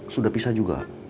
sudah pisah juga